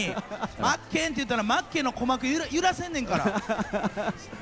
まっけん！って言ったら、まっけんの鼓膜、揺らせんねんから。